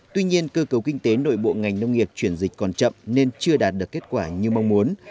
tuy nhiên cơ cấu kinh tế nội bộ ngành nông nghiệp chuyển dịch còn chậm nên chưa đạt được kết quả như mong muốn